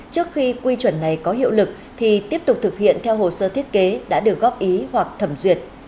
trước khi quy chuẩn này có hiệu lực thì tiếp tục thực hiện theo hồ sơ thiết kế đã được góp ý hoặc thẩm duyệt